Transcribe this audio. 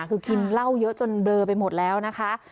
คือกินเหล้าเยอะจนเบลอไปหมดแล้วนะคะ